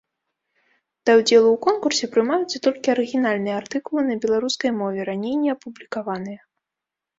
Да ўдзелу ў конкурсе прымаюцца толькі арыгінальныя артыкулы на беларускай мове, раней не апублікаваныя.